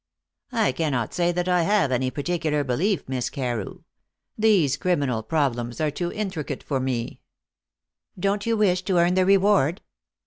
"I cannot say that I have any particular belief, Miss Carew. These criminal problems are too intricate for me." "Don't you wish to earn the reward?"